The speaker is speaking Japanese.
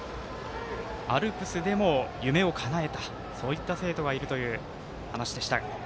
アルプスでも夢をかなえた生徒がいるという話でした。